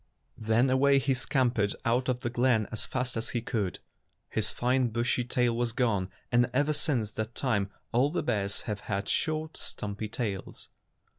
Then away he scam pered out of the glen as fast as he could go. His fine bushy tail was gone, and ever since that time all the bears have had short, stumpy tails.